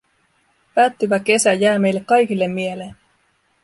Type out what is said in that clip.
Päättyvä kesä jää meille kaikille mieleen.